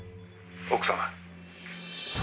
奥様」